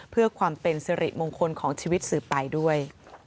เพื่อความเป็นสิริมงคลของชีวิตสืบไปด้วย